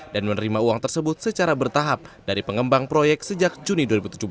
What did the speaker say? dan menerima uang tersebut secara bertahap dari pengembang proyek sejak juni dua ribu tujuh belas